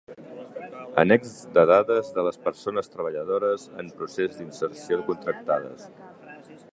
Annex de dades de les persones treballadores en procés d'inserció contractades.